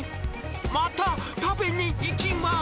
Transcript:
また、食べに行きます。